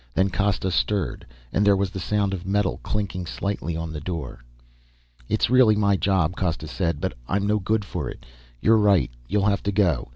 Then Costa stirred and there was the sound of metal clinking slightly on the floor. "It's really my job," Costa said, "but I'm no good for it. You're right, you'll have to go.